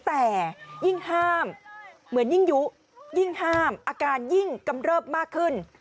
แต่ยิ่งห้ามเหมือนยิ่งยุยิ่งห้ามอาการยิ่งกำเริบมากขึ้น